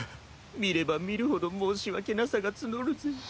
見れば見るほど申し訳なさが募るぜ。